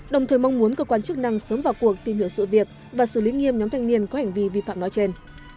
đồng thời mong muốn cơ quan chức năng sớm vào cuộc tìm hiểu sự việc và xử lý nghiêm nhóm thanh niên có hành vi vi phạm nói trên